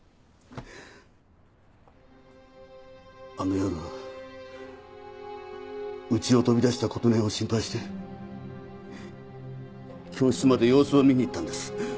あの夜家を飛び出した琴音を心配して教室まで様子を見に行ったんです。